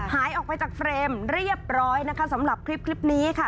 หายออกไปจากเฟรมเรียบร้อยนะคะสำหรับคลิปนี้ค่ะ